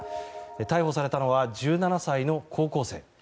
逮捕されたのは１７歳の高校生。